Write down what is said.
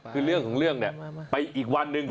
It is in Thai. คือเรื่องของเรื่องเนี่ยไปอีกวันหนึ่ง